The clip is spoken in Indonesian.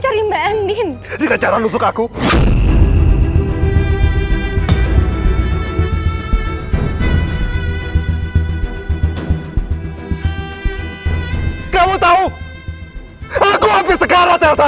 aku tuh gak tahan kalau harus ngeliat kamu terus terusan